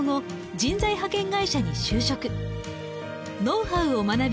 ノウハウを学び